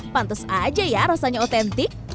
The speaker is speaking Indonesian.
pantes aja ya rasanya otentik